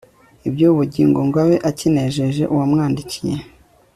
iby ubu bugingo ngo abe akinejeje uwamwandikiye